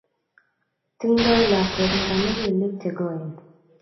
Tindoi lakwet nirani kelyek chegoen